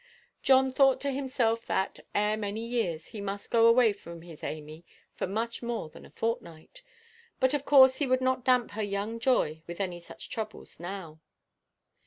John thought to himself that, ere many years, he must go away from his Amy for much more than a fortnight; but of course he would not damp her young joy with any such troubles now.